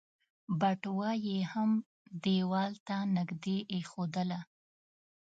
بټوه يې هم ديوال ته نږدې ايښودله.